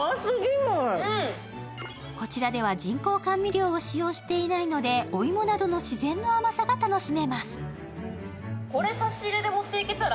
こちらでは人工甘味料を使用していないのでおいもなどの自然の甘さが楽しめます。